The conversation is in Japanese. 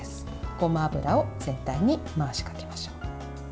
ごま油を全体に回しかけましょう。